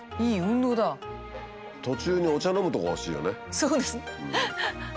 そうですね。